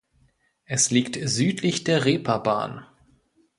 Es liegt südlich der Reeperbahn.